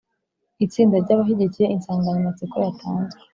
itsinda ry’abashyigikiye insanganyamatsiko yatanzwe,